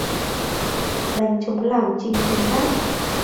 Đánh trống lảng trình liền đáp